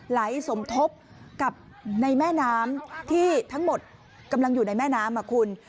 สมทบกับในแม่น้ำที่ทั้งหมดกำลังอยู่ในแม่น้ำอ่ะคุณ